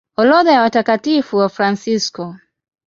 Orodha ya Watakatifu Wafransisko